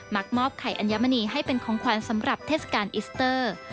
มอบไข่อัญมณีให้เป็นของขวัญสำหรับเทศกาลอิสเตอร์